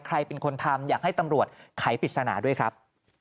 ใครเป็นคนทำอยากให้ตำรวจไขปริศนาด้วยครับ